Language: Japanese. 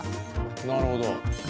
なるほど。